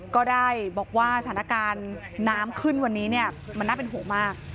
ก็ได้บอกว่าสถานการณ์น้ำขึ้นวันนี้แล้วเนี่ยมันน่าเป็นโหมาก